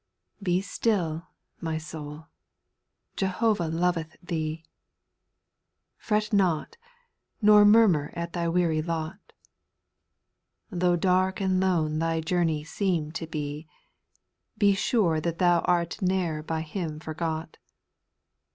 TIE still, my soul, Jehovah loveth thee ; Jj Fret not, nor murmur at thy weary lot ; Though dark and lone thy journey seems to be. Be sure that thou art ne'er by Him forgot.